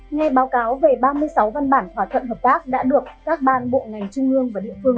nghe báo cáo về ba mươi sáu văn bản hòa thuận hợp tác đã được các ban bộ ngành trung ương và địa phương